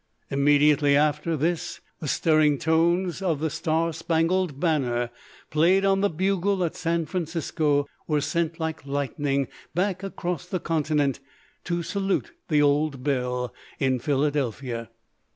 Immediately after this the stirring tones of the "Star spangled Banner" played on the bugle at San Francisco were sent like lightning back across the continent to salute the old bell in Philadelphia.